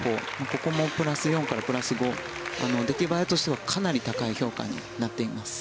４ここもプラス４からプラス５出来栄えとしてはかなり高い評価となっています。